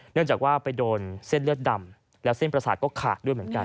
เนื่องจากว่าไปโดนเส้นเลือดดำแล้วเส้นประสาทก็ขาดด้วยเหมือนกัน